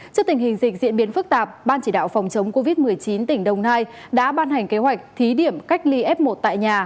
trước tình hình dịch diễn biến phức tạp ban chỉ đạo phòng chống covid một mươi chín tỉnh đồng nai đã ban hành kế hoạch thí điểm cách ly f một tại nhà